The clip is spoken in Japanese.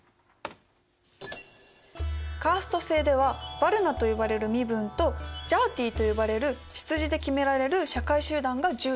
カースト制ではヴァルナと呼ばれる身分とジャーティと呼ばれる出自で決められる社会集団が重視されます。